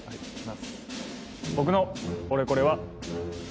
僕のオレコレは。